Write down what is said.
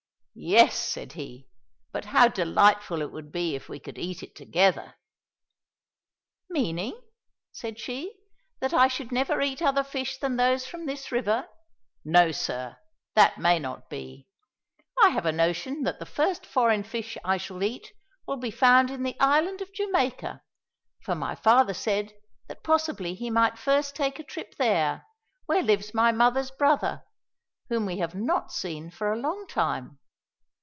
"Yes," said he; "but how delightful it would be if we could eat it together." "Meaning," said she, "that I should never eat other fish than those from this river. No, sir; that may not be. I have a notion that the first foreign fish I shall eat will be found in the island of Jamaica, for my father said, that possibly he might first take a trip there, where lives my mother's brother, whom we have not seen for a long time.